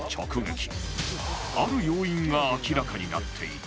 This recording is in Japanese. ある要因が明らかになっていた